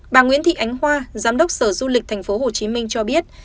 bà nguyễn thị ánh hoa giám đốc sở du lịch tp hcm cho biết